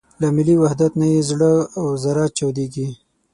له ملي وحدت نه یې زړه او زره چاودېږي.